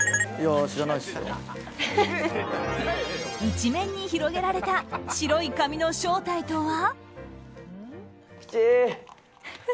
一面に広げられた白い紙の正体とは？